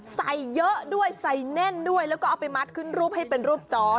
ใส่เยอะด้วยใส่แน่นด้วยแล้วก็เอาไปมัดขึ้นรูปให้เป็นรูปจอ